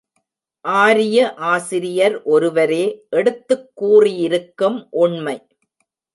ஆரிய ஆசிரியர் ஒருவரே எடுத்துக் கூறியிருக்கும் உண்மை.